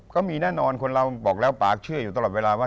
ก็มีแน่นอนคนเราบอกแล้วปากเชื่ออยู่ตลอดเวลาว่า